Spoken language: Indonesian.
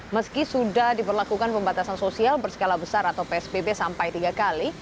meski sudah diberlakukan pembatasan sosial berskala besar atau psbb sampai tiga kali